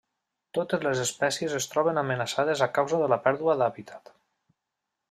Totes les espècies es troben amenaçades a causa de la pèrdua d'hàbitat.